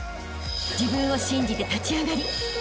［自分を信じて立ち上がりあしたへ